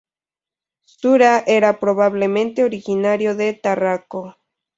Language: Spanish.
Sura era probablemente originario de Tarraco.